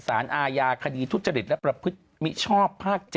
อาญาคดีทุจริตและประพฤติมิชชอบภาค๗